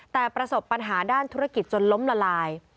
แต่ประสบปัญหาด้านธุรกิจจนล้มละลาย